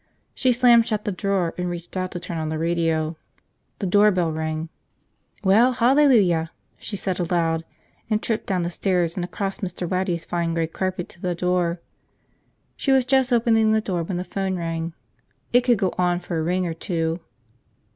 She slammed shut the drawer and reached out to turn on the radio. The doorbell rang. "Well, hallelujah," she said aloud, and tripped down the stairs and across Mr. Waddy's fine gray carpet to the door. She was just opening the door when the phone rang. It could go on for a ring or two.